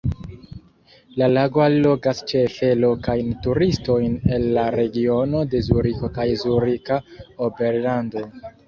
La lago allogas ĉefe lokajn turistojn el la regiono de Zuriko kaj Zurika Oberlando.